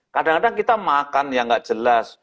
kadang kadang kita makan yang nggak jelas